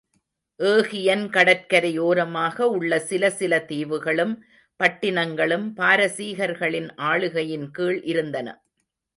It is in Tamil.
ஏகியன் கடற்கரை ஒரமாக உள்ள சில சில தீவுகளும், பட்டினங்களும் பாரசீகர்களின் ஆளுகையின்கீழ் இருந்தன.